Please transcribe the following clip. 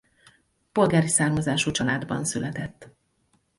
Polgári származású családban született.